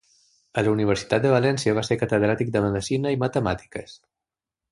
A la Universitat de València va ser catedràtic de medicina i matemàtiques.